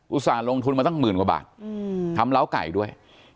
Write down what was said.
ส่าห์ลงทุนมาตั้งหมื่นกว่าบาททำล้าไก่ด้วย